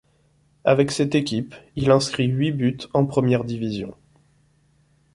Avec cette équipe, il inscrit huit buts en première division.